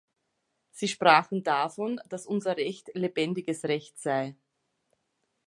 Sie sprachen davon, dass unser Recht lebendiges Recht sei.